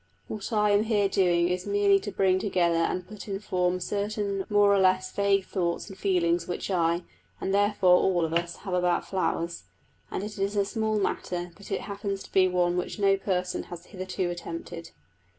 What I am here doing is merely to bring together and put in form certain more or less vague thoughts and feelings which I (and therefore all of us) have about flowers; and it is a small matter, but it happens to be one which no person has hitherto attempted.